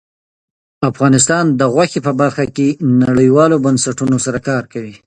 افغانستان د غوښې په برخه کې نړیوالو بنسټونو سره کار کوي.